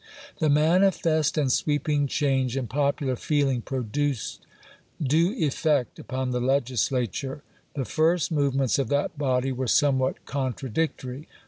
The manifest and sweeping change in popular feeling produced due effect upon the Legislature. REBELLIOUS MARYLAND 171 The fii'st movements of that body were somewhat chap.viii. contradictory.